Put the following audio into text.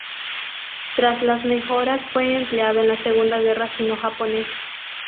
Tras las mejoras, fue empleado en la Segunda Guerra Sino-Japonesa.